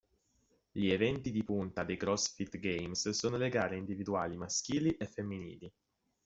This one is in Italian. Gli eventi di punta dei CrossFit Games sono le gare individuali maschili e femminili.